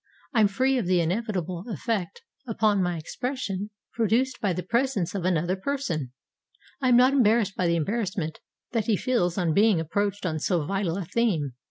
I am free of the inevitable effect upon my expression produced by the presence of another person. I am not embarrassed by the embarrassment that he feels on being approached on so vital a theme.